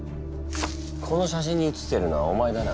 この写真に写っているのはお前だな。